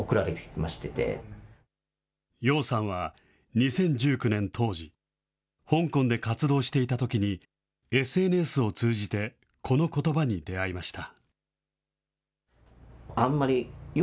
２０１９年当時、香港で活動していたときに、ＳＮＳを通じて、このことばに出会いました。